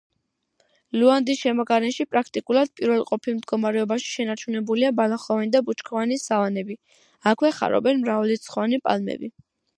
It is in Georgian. ლუანდის შემოგარენში პრაქტიკულად პირველყოფილ მდგომარეობაში შენარჩუნებულია ბალახოვანი და ბუჩქოვანი სავანები, აქვე ხარობენ მრავალრიცხოვანი პალმები.